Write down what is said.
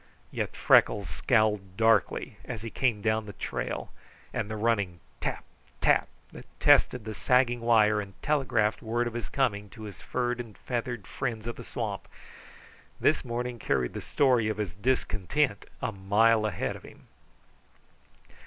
Yet Freckles scowled darkly as he came down the trail, and the running TAP, TAP that tested the sagging wire and telegraphed word of his coming to his furred and feathered friends of the swamp, this morning carried the story of his discontent a mile ahead of him.